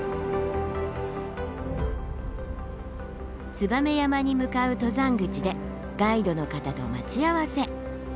ツバメ山に向かう登山口でガイドの方と待ち合わせ。